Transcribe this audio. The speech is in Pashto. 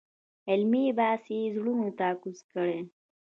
علمي بحث یې زړونو ته کوز کړی.